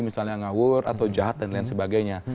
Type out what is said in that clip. misalnya ngawur atau jahat dan lain sebagainya